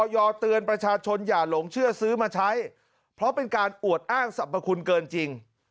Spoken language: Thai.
เตือนประชาชนอย่าหลงเชื่อซื้อมาใช้เพราะเป็นการอวดอ้างสรรพคุณเกินจริง